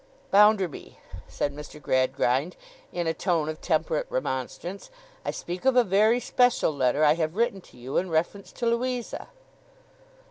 'Bounderby,' said Mr. Gradgrind, in a tone of temperate remonstrance, 'I speak of a very special letter I have written to you, in reference to Louisa.